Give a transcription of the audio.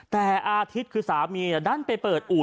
แต่อาทิตย์คือสามีดันไปเปิดอู่